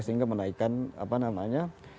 sehingga menaikan apa namanya